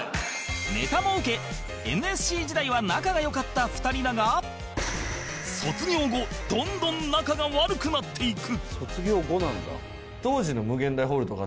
ネタもウケ ＮＳＣ 時代は仲が良かった２人だが卒業後どんどん仲が悪くなっていく